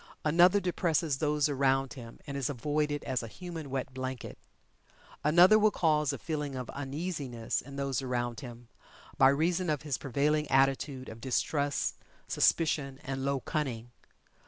Another depresses those around him, and is avoided as a "human wet blanket." Another will cause a feeling of uneasiness in those around him, by reason of his prevailing attitude of distrust, suspicion, and low cunning.